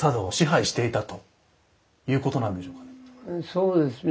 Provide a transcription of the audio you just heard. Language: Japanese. そうですね